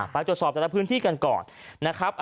ไปตรวจสอบแต่ละพื้นที่กันก่อนนะครับ